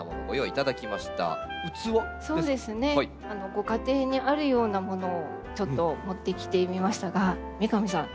ご家庭にあるようなものをちょっと持ってきてみましたが三上さん